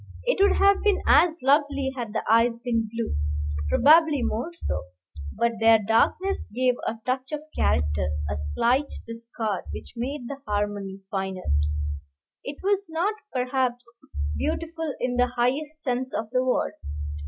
It would have been as lovely had the eyes been blue, probably more so, but their darkness gave a touch of character, a slight discord, which made the harmony finer. It was not, perhaps, beautiful in the highest sense of the word.